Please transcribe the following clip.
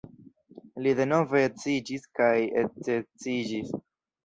Li denove edziĝis kaj eksedziĝis.